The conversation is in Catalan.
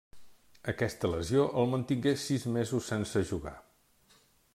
Aquesta lesió el mantingué sis mesos sense jugar.